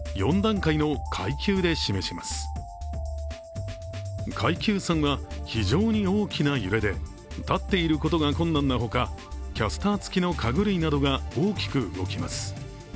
階級３は、非常に大きな揺れで立っていることが困難なほかキャスター付きの家具類などが大きく動きます。